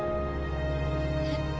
えっ？